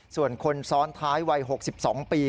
ส่วนคนซ้อนท้ายวัย๖๒ปี